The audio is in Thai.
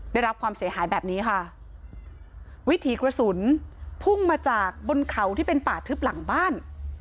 ได้รับความเสียหายแบบนี้ค่ะวิถีกระสุนพุ่งมาจากบนเขาที่เป็นป่าทึบหลังบ้าน